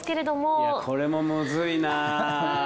いやこれもむずいな。